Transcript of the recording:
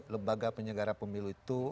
lembaga penyelenggara pemilu itu